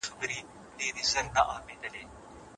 دا چهارمغز تر نورو مېوو ډېر ژر د انسان په بدن کې انرژي تولیدوي.